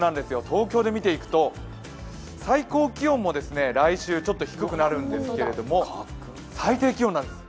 東京で見ていくと、最高気温も来週ちょっと低くなるんですけれども、最低気温です。